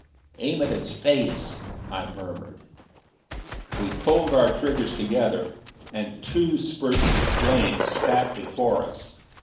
"Aim at its face," I murmured. We pulled our triggers together, and two spurts of flame spat before us.